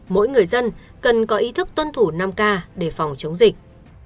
mỗi người dân cần có ý thức tuân thủ năm k để phòng chống dịch